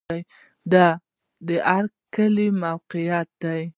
د رګ کلی موقعیت